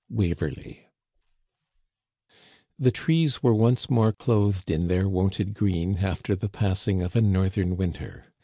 Waverley, The trees were once more clothed in their wonted green after the passing of a northern winter.